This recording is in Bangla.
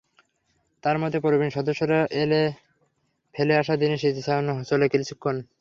তাঁর মতো প্রবীণ সদস্যরা এলে ফেলে আসা দিনের স্মৃতিচারণ চলে কিছুক্ষণ।